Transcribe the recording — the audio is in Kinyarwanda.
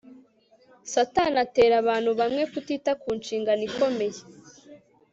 Satana atera abantu bamwe kutita ku nshingano ikomeye